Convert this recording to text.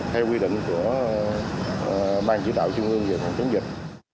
theo quy định của ban chỉ đạo trung ương về phòng chống dịch